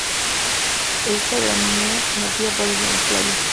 Esta gramínea nativa aparece en las playas.